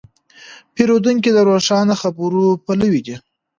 پیرودونکی د روښانه خبرو پلوی دی.